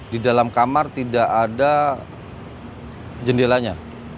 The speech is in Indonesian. di dalam kamar tidak ada jendelanya